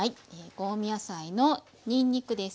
香味野菜のにんにくです。